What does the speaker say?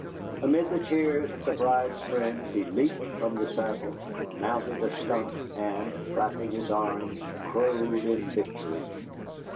Amid the cheers of the bride's friends he leaped from his saddle, mounted a stump and, flapping his arms, crowed in victory.